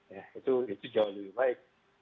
ya itu jauh lebih baik